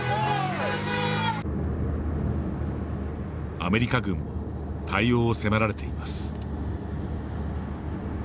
アメリカ軍も対応を迫られています。